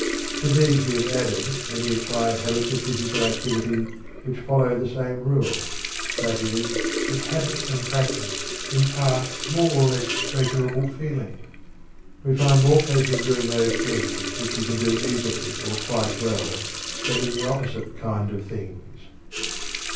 To these we have added many acquired habits of physical activity, which follow the same rule, i.e., that habit and practice impart more or less pleasurable feeling. We find more pleasure in doing those things which we can do easily or quite well than in the opposite kind of things.